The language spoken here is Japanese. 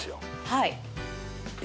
はい。